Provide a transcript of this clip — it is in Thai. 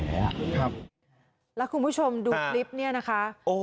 แล้วคุณผู้ชมดูคลิปนี้นะคะ